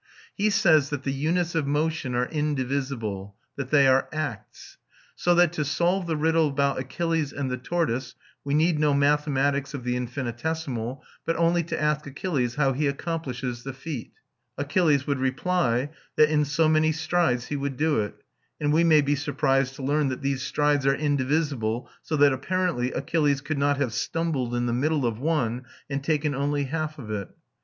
He says that the units of motion are indivisible, that they are acts; so that to solve the riddle about Achilles and the tortoise we need no mathematics of the infinitesimal, but only to ask Achilles how he accomplishes the feat. Achilles would reply that in so many strides he would do it; and we may be surprised to learn that these strides are indivisible, so that, apparently, Achilles could not have stumbled in the middle of one, and taken only half of it.